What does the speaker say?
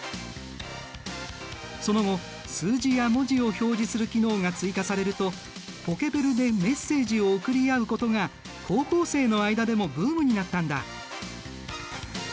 その後数字や文字を表示する機能が追加されるとポケベルでメッセージを送り合うことが高校生の間でもブームになったんだ。